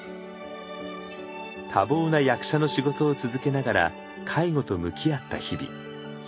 多忙な役者の仕事を続けながら介護と向き合った日々。